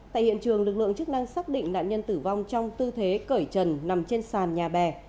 tại hiện trường lực lượng chức năng xác định nạn nhân tử vong trong tư thế cởi trần nằm trên sàn nhà bè